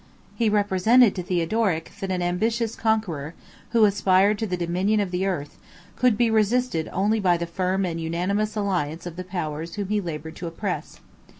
He represented to Theodoric, that an ambitious conqueror, who aspired to the dominion of the earth, could be resisted only by the firm and unanimous alliance of the powers whom he labored to oppress.